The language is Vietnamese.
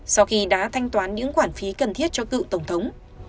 sau khi đã thanh toán những khoản phí cần thiết cho cựu tổng thống